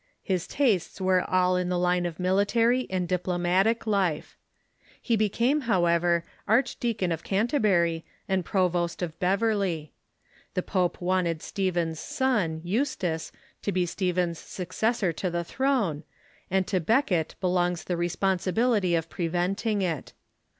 His tastes were all in the line of military and dii)lomatic life. He be Becket came, however, Archdeacon of Canterbury and Provost of Beverly. The pope wanted Stephen's son, Eustace, to be Stephen's successor to the throne, and to Becket belongs the responsibility of preventing it.